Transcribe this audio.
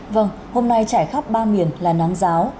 vâng hôm nay trải khắp ba miền là nắng giáo